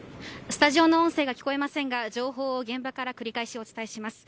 スタジオの音声が聞こえませんが情報を現場から繰り返しお伝えします。